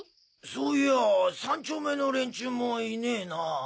そういやぁ３丁目の連中もいねなぁ。